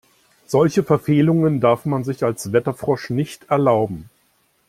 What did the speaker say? Solche Verfehlungen darf man sich als Wetterfrosch nicht erlauben.